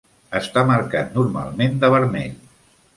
Està marcat normalment de vermell.